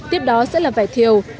tiếp đó sẽ là vải thiều